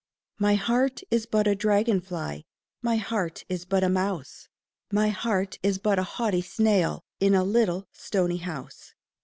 My heart is but a dragon fly, My heart is but a mouse, My heart is but a haughty snail In a little stony house.